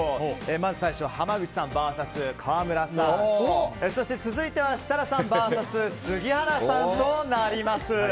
まず最初、濱口さんＶＳ川村さんそして続いては設楽さんＶＳ杉原さんとなります。